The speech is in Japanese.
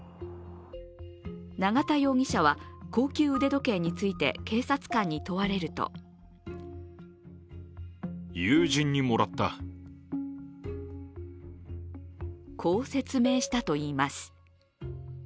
永田容疑者は高級腕時計について警察官に問われるとこう説明したといいます。